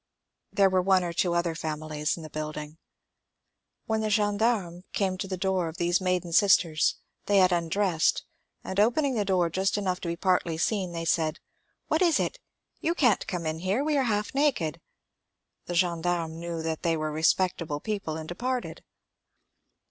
There were one or two other families in the building. When the gendarmes came to the door of these maiden sisters, they had undressed, and opening the door just enough to be partly seen, they said, " What is it ? you can't come in here, we are half naked.'' The gendarmes knew that they were re spectable people and departed.